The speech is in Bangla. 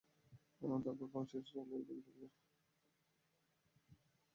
তারপর খাওয়া শেষে চকলেটের প্যাকেট টেবিলের ওপর রেখে তাড়াহুড়ো করে চলে যাবেন।